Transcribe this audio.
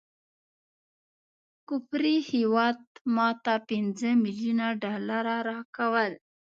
کفري هیواد ماته پنځه ملیونه ډالره راکول.